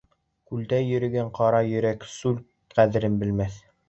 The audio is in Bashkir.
Күлдә йөрөгән ҡара өйрәк сүл ҡәҙерен белмәҫ